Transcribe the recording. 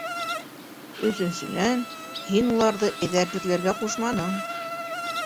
Өсөнсөнән, һин уларҙы эҙәрлекләргә ҡушманың.